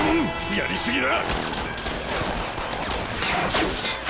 やり過ぎだ！